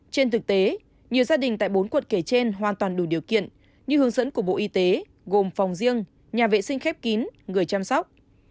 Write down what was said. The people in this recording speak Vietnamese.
trên thực tế nhiều gia đình tại bốn quận kể trên hoàn toàn đủ điều kiện như hướng dẫn của bộ y tế gồm phòng riêng nhà vệ sinh khép kín người chăm sóc